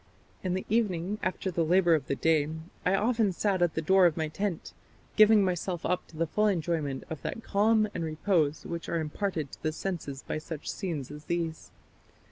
In the evening, after the labour of the day, I often sat at the door of my tent, giving myself up to the full enjoyment of that calm and repose which are imparted to the senses by such scenes as these....